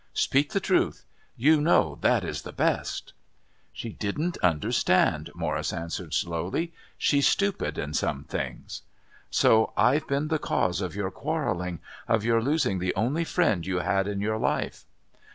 Speak the truth. You know that is the best." "She didn't understand," Morris answered slowly. "She's stupid in some things." "So I've been the cause of your quarrelling, of your losing the only friend you had in your life?"